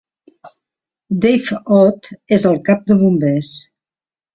Dave Ott és el cap de bombers.